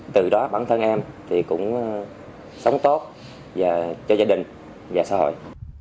từ đó bản thân em thì cũng sống tốt cho gia đình và xã hội